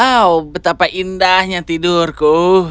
auh betapa indahnya tidurku